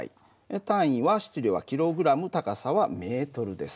単位は質量はｋｇ高さはｍです。